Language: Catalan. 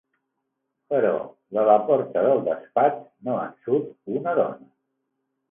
Però de la porta del despatx no en surt una dona.